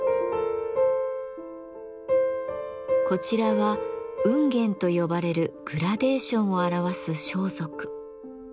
こちらは繧繝と呼ばれるグラデーションを表す装束。